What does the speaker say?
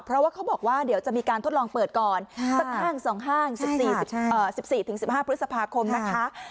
เพราะว่าเขาบอกว่าเดี๋ยวจะมีการทดลองเปิดก่อนสักห้าง๒ห้าง๑๔๑๕พฤษภาคมนะคะ